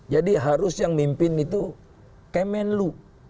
jadi harus yang mimpin itu kemenlu